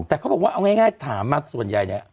แต่เขาบอกว่าเอาง่ายถามมาส่วนใหญ่เนี่ย